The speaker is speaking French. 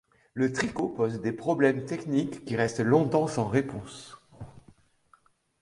Le tricot pose des problèmes techniques qui restent longtemps sans réponse.